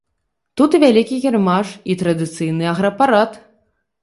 Тут і вялікі кірмаш, і традыцыйны аграпарад.